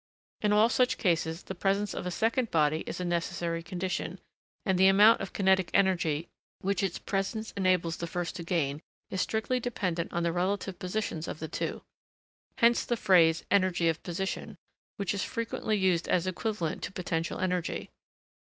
In all such cases, the presence of a second body is a necessary condition; and the amount of kinetic energy, which its presence enables the first to gain, is strictly dependent on the relative positions of the two. Hence the phrase energy of position, which is frequently used as equivalent to potential energy.